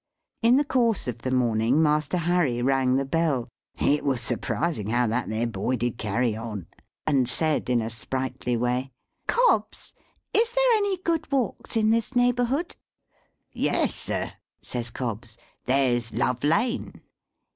In the course of the morning, Master Harry rang the bell, it was surprising how that there boy did carry on, and said, in a sprightly way, "Cobbs, is there any good walks in this neighbourhood?" "Yes, sir," says Cobbs. "There's Love Lane."